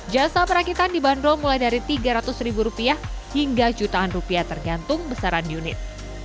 jasa perakitan dibanderol mulai dari tiga ratus ribu rupiah hingga jutaan rupiah tergantung besaran unit